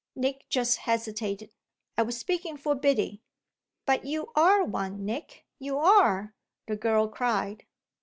Nick just hesitated. "I was speaking for Biddy." "But you are one, Nick you are!" the girl cried.